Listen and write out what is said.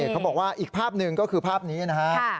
เขาบอกว่าอีกภาพหนึ่งก็คือภาพนี้นะฮะ